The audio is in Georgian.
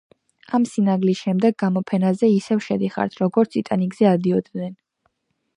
ამ სიგნალის შემდეგ გამოფენაზე ისევე შედიხართ, როგორც „ტიტანიკზე“ ადიოდნენ.